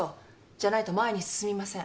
じゃないと前に進みません。